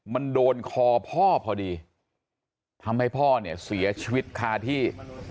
มันโดนคอพ่อพอดีทำให้พ่อเนี่ยเสียชีวิตคาที่